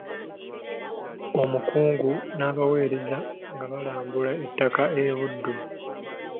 Omukungu n'abaweereza nga balambula ettaka e Buddu.